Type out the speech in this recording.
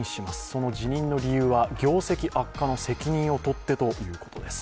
その辞任の理由は業績悪化の責任を取ってということです。